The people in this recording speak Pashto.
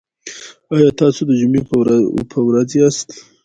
ایا تاسو د جمعې په ورځ یاست؟